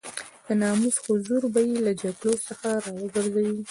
د ناموس حضور به يې له جګړو څخه را وګرځوي.